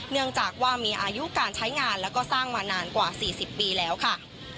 เนื่องจากว่ามีอายุการใช้งานแล้วก็สร้างมานานกว่า๔๐ปีแล้วค่ะ